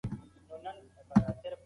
ګرامر د جملو د سموالي لپاره زده کړئ.